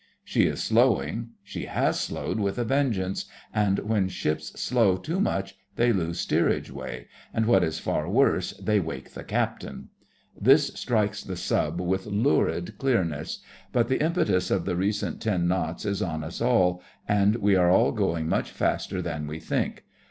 She is slowing—she has slowed with a vengeance, and when ships slow too much they lose steerage way, and, what is far worse, they wake the Captain. This strikes the Sub with lurid clearness; but the impetus of the recent ten knots is on us all, and we are all going much faster than we think.